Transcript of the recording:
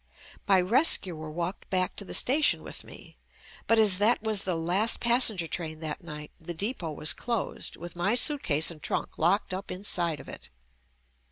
My rescuer walked back to the station with me, but as that was the last passenger train that night, the depot was closed with my suitcase and trunk locked up inside of it.